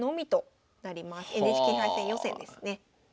ＮＨＫ杯戦予選ですね。